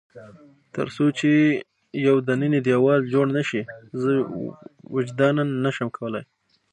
تر څو چې یو دننی دېوال جوړ نه شي، زه وجداناً نه شم کولای.